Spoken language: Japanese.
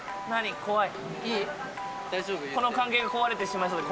怖い？